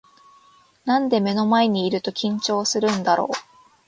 なんで目の前にいると緊張するんだろう